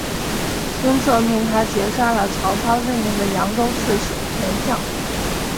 孙策命他截杀了曹操任命的扬州刺史严象。